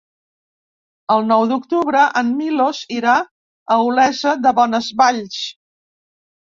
El nou d'octubre en Milos irà a Olesa de Bonesvalls.